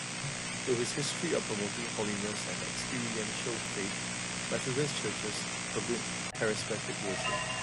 With its history of promoting holiness and experiential faith, Methodist Churches permit charismatic worship.